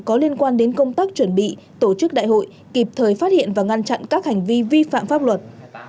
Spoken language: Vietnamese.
có liên quan đến công tác chuẩn bị tổ chức đại hội kịp thời phát hiện và ngăn chặn các hành vi vi phạm pháp luật